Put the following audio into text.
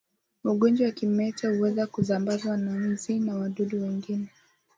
Ugonjwa wa kimeta huweza kusambazwa na nzi na wadudu wengine